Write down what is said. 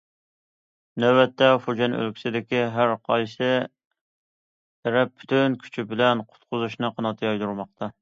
نۆۋەتتە، فۇجيەن ئۆلكىسىدىكى ھەرقايسى تەرەپ پۈتۈن كۈچى بىلەن قۇتقۇزۇشنى قانات يايدۇرماقتا.